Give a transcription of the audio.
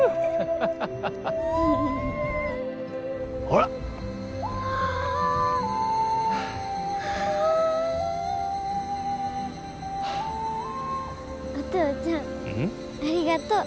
ありがとう。